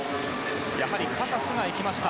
やはりカサスがいきました。